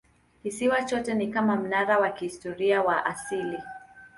Kisiwa chote ni kama mnara wa kihistoria wa asili.